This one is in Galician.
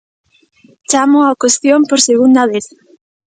Chámoo á cuestión por segunda vez.